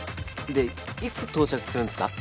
でいつ到着するんですか？